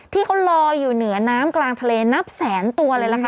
ที่เขาลอยอยู่เหนือน้ำกลางทะเลนับแสนตัวเลยล่ะค่ะ